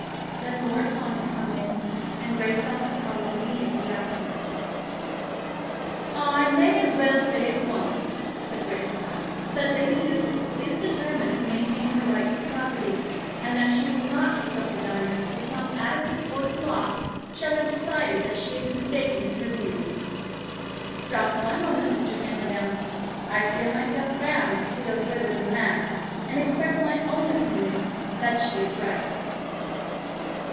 Then Lord Fawn had come in, and Greystock had followed immediately afterwards. "I may as well say at once," said Greystock, "that Lady Eustace is determined to maintain her right to the property; and that she will not give up the diamonds till some adequate court of law shall have decided that she is mistaken in her views. Stop one moment, Mr. Camperdown. I feel myself bound to go further than that, and express my own opinion that she is right."